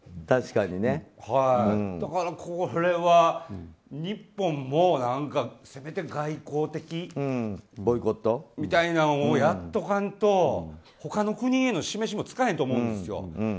だから、これは日本もせめて外交的ボイコットみたいなのをやっとかんと、他の国への示しもつかへんと思うんですよ。